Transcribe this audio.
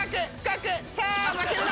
さあ負けるな！